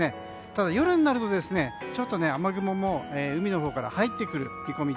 ただ夜になると雨雲も海のほうから入ってくる見込み。